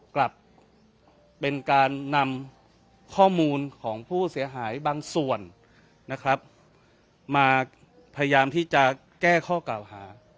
กลับเป็นการนำข้อมูลของผู้เสียหายบางส่วนนะครับมาพยายามที่จะแก้ข้อกล่าวหา